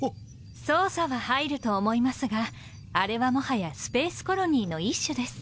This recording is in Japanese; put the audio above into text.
捜査は入ると思いますがあれはもはやスペースコロニーの一種です。